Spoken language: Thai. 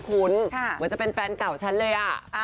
เหมือนจะเป็นแฟนเก่าฉันเลยอ่ะ